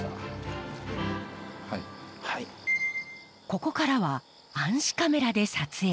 ここからは暗視カメラで撮影。